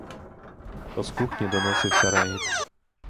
То з кухні доносився регіт.